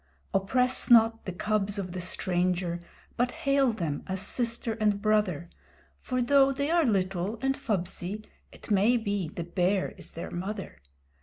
Oppress not the cubs of the stranger, but hail them as Sister and Brother, For though they are little and fubsy, it may be the Bear is their mother.